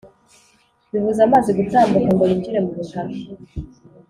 Bibuza amazi gutambuka ngo yinjire mu butaka